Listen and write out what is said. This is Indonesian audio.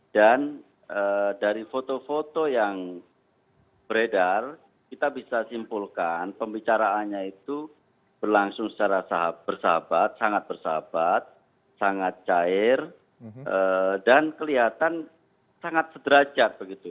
dan dari foto foto yang beredar kita bisa simpulkan pembicaraannya itu berlangsung secara bersahabat sangat bersahabat sangat cair dan kelihatan sangat sederacat begitu